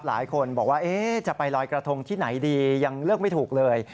หลายคนบอกว่าจะไปลอยกระทงที่ไหนดียังเลือกไม่ถูกเลย